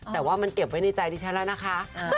แต่ว่ามันเก็บไว้ในใจดิฉันแล้วนะคะ